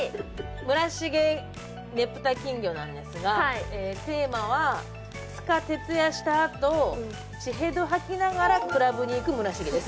村重ねぷた金魚なんですがテーマは「２日徹夜した後血ヘド吐きながらクラブに行く村重」です。